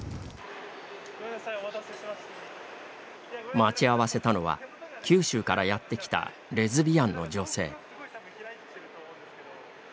待ち合わせたのは九州からやってきたレズビアンの女性。